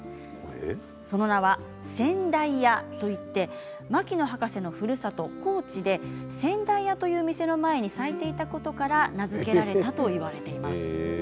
その名は仙台屋といって牧野博士のふるさと、高知で仙台屋という店の前に咲いていたことから名付けられたといわれています。